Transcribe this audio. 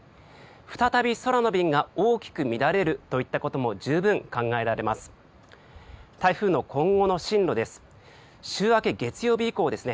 再び、空の便が大きく乱れるといったことも十分考えらえます。